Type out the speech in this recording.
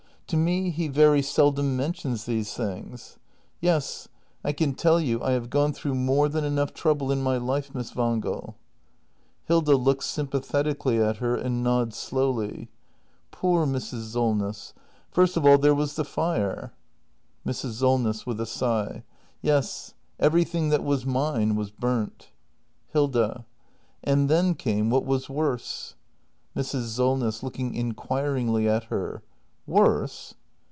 To me he very seldom mentions these things. — Yes, I can tell you I have gone through more than enough trouble in my life, Miss Wangel. Hilda. [Looks sympathetically at her and nods slowly.] Poor Mrs. Solness. First of all there was the fire 392 THE MASTER BUILDER [act hi Mrs. Solness. [With a sigh.] Yes, everything that was mine was burnt. Hilda. And then came what was worse. Mrs. Solness. [Looking inquiringly at Jier.] Worse?